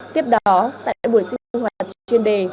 tiếp đó tại buổi sinh hoạt chuyên đề